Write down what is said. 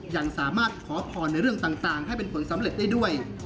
ยังสามารถขอพรในเรื่องต่างให้เป็นผลสำเร็จได้ด้วย